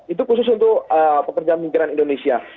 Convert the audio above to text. itu khusus untuk pekerja migran indonesia